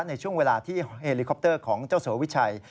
ในช่วงเวลาที่เฮลิคอปเตอร์ของเจ้าสัววิชัย